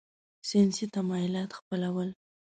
ساینسي تمایلات خپلول.